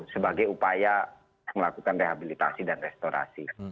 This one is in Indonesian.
sebagai upaya melakukan rehabilitasi dan restorasi